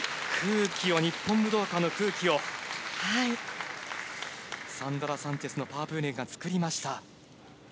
日本武道館の空気をサンドラ・サンチェスのパープーレンが作りました。